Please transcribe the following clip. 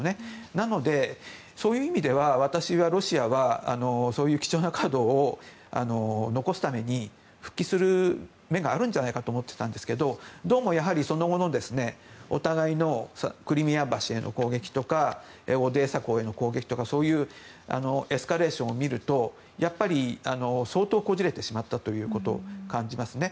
なので、そういう意味では私はロシアはそういう貴重なカードを残すために復帰する目があるんじゃないかと思っていたんですがどうもやはり、その後のお互いのクリミア橋への攻撃とかオデーサ港への攻撃とかエスカレーションを見るとやっぱり相当こじれてしまったということを感じますね。